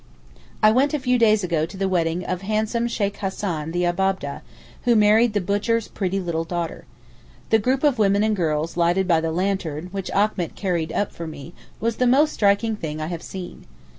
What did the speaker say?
I went a few days ago to the wedding of handsome Sheykh Hassan the Abab'deh, who married the butcher's pretty little daughter. The group of women and girls lighted by the lantern which little Achmet carried up for me was the most striking thing I have seen.